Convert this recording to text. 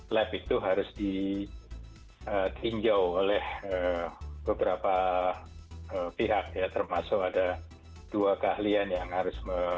lab itu harus ditinjau oleh beberapa pihak ya termasuk ada dua keahlian yang harus